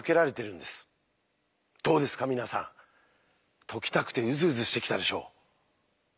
どうですか皆さん解きたくてウズウズしてきたでしょう？